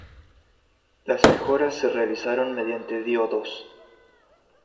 Las mejoras se realizaron mediante diodos.